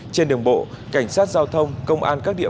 trên đường bộ cảnh sát giao thông công an các địa phương